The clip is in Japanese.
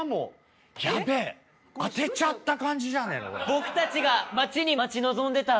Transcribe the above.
僕たちが待ちに待ち望んでた。